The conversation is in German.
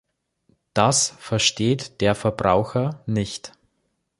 Das versteht der Verbraucher nicht.